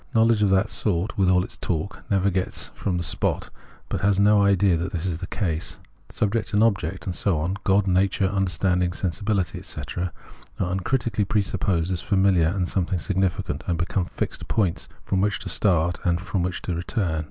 Knowledge of that sort, with all its talk, never gets from the spot, but has no idea that this is the case. Subject and object, and so on, God, nature, imderstanding, sensibility, etc., are uncritically presupposed as familiar and something significant, and become fixed points from which to start and to which to return.